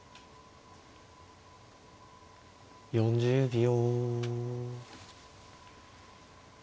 ４０秒。